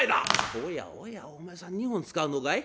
「おやおやお前さん２本使うのかい？